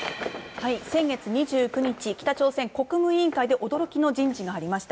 先月２９日、北朝鮮国務委員会で驚きの人事がありました。